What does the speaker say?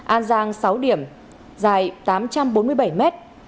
an giang sáu điểm dài tám trăm bốn mươi bảy mét